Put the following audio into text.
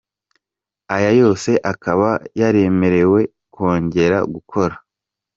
Aya yose akaba yaremerewe kongera gukora.